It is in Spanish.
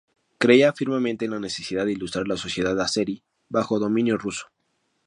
Creía firmemente en la necesidad de ilustrar la sociedad azerí bajo dominio ruso.